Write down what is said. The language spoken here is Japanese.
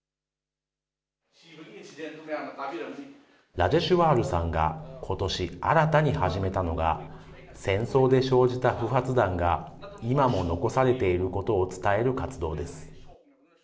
ラジェシュワールさんがことし、新たに始めたのが、戦争で生じた不発弾が今も残されていることを伝える活動です。